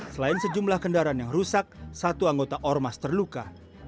selain sejumlah kendaraan yang rusak satu anggota ormas terluka